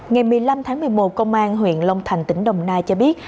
ngày một mươi năm tháng một mươi một công an huyện long thành tỉnh đồng nai cho biết